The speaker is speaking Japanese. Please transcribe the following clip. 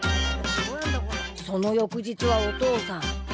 その翌日はお父さん。